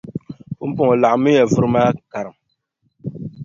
Pumpɔŋɔ laɣimmiya vuri maa karim.